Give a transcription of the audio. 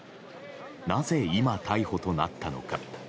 なぜ今、逮捕となったのか。